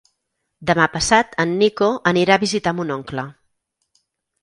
Demà passat en Nico anirà a visitar mon oncle.